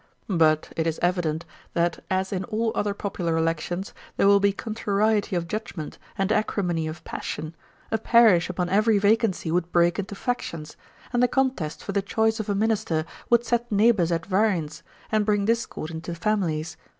But, it is evident, that as in all other popular elections there will be contrariety of judgment and acrimony of passion, a parish upon every vacancy would break into factions, and the contest for the choice of a minister would set neighbours at variance, and bring discord into families.